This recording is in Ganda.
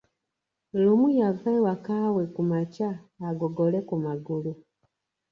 Lumu yava ewakaawe kumakya agolole ku magulu.